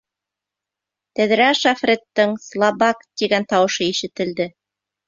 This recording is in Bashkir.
Тәҙрә аша Фредтың «Слабак!» тигән тауышы ишетелде.